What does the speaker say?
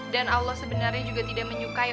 allah sebenarnya juga tidak menyukai